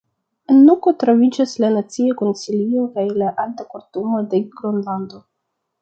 En Nuko troviĝas la Nacia Konsilio kaj la Alta Kortumo de Gronlando.